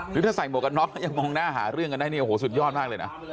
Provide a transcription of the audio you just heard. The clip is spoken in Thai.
หรือถ้าใส่หมวกกันน็อกแล้วยังมองหน้าหาเรื่องกันได้เนี่ยโอ้โหสุดยอดมากเลยนะ